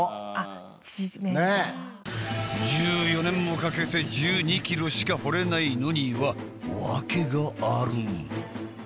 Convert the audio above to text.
１４年もかけて１２ｋｍしか掘れないのには訳がある。